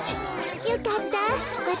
よかった。